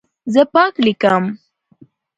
زه پاک لیکم.